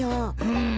うん。